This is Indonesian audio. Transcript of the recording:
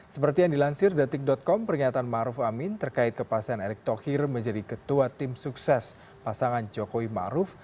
seperti yang dilansir detik com pernyataan maruf amin terkait kepastian erick thohir menjadi ketua tim sukses pasangan jokowi maruf